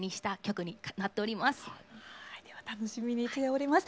では楽しみにしております。